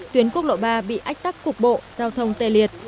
tuyến quốc lộ ba bị ách tắc cục bộ giao thông tê liệt